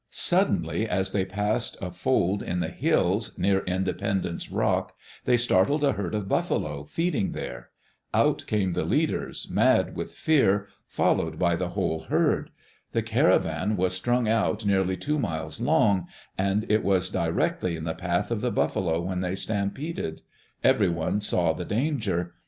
Suddenly, as they passed a fold in the hills, near Inde pendence Rock, they startled a herd of buffalo feeding there. Out came the leaders, mad with fear, followed by ["4] Digitized by Google THE ADVENTURES OF THE WHITMANS the whole herd. The caravan was strung out nearly two miles long, and it was directly in the path of the buffalo when they stampeded. Everyone saw the danger.